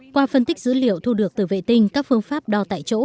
qua phân tích dữ liệu thu được từ vệ tinh các phương pháp đo tại chỗ